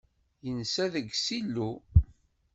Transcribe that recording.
Yensa deg ssilu.